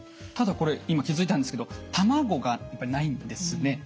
ただこれ今気付いたんですけど卵がやっぱりないんですね。